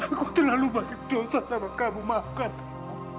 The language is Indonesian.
aku terlalu banyak dosa sama kamu maafkan